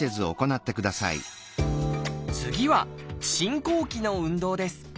次は進行期の運動です。